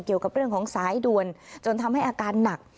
เกี่ยวกับเรื่องของสายด่วนจนทำให้อาการหนัก